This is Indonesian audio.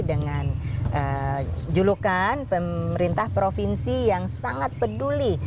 dengan julukan pemerintah provinsi yang sangat peduli